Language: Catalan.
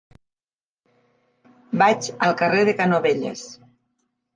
Vaig al carrer de Canovelles.